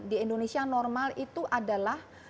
di indonesia normal itu adalah